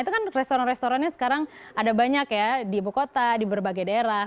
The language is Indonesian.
itu kan restoran restorannya sekarang ada banyak ya di ibu kota di berbagai daerah